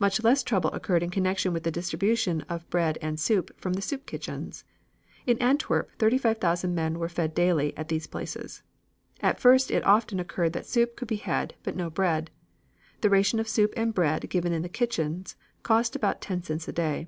Much less trouble occurred in connection with the distribution of bread and soup from the soup kitchens. In Antwerp thirty five thousand men were fed daily at these places. At first it often occurred that soup could be had, but no bread. The ration of soup and bread given in the kitchens cost about ten cents a day.